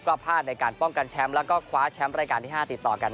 ก็พลาดในการป้องกันแชมป์แล้วก็คว้าแชมป์รายการที่๕ติดต่อกัน